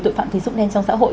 tội phạm thí dụng nền trong xã hội